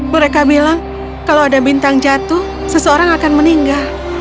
mereka bilang kalau ada bintang jatuh seseorang akan meninggal